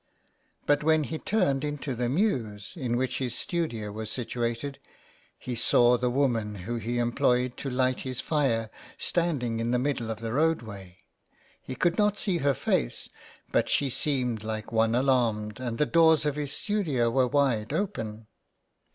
But when he turned into the mews in which his studio was situated, he saw the woman whom he employed to light his fire standing in the middle of the roadway ; he could not see her face, but she seemed like one alarmed and the doors of his studio were wide open.